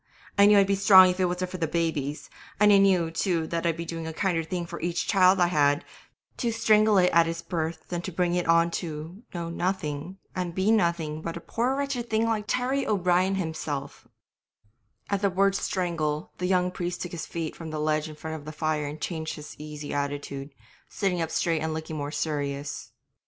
I knew I'd be strong if it wasn't for the babies, and I knew, too, that I'd do a kinder thing for each child I had, to strangle it at it's birth than to bring it on to know nothing and be nothing but a poor wretched thing like Terry O'Brien himself ' At the word 'strangle' the young priest took his feet from the ledge in front of the fire and changed his easy attitude, sitting up straight and looking more serious.